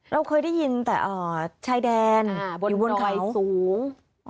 เราเคยได้ยินแต่อ่าชายแดนอ่าบนดอยสูงอ๋อ